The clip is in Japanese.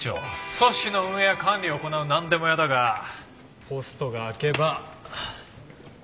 組織の運営や管理を行うなんでも屋だがポストが空けば。